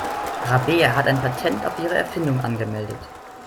Rabea hat ein Patent auf ihre Erfindung angemeldet.